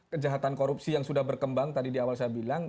kejahatan korupsi yang sudah berkembang tadi di awal saya bilang